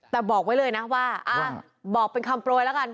แต่บอกไว้เลยนะว่าบอกเป็นคำโปรยแล้วกัน